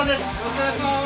お願いします！